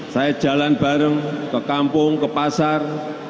saya jalan bareng ke kampung ke pasar